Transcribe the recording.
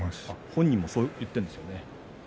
本人もそう言っているんですよね。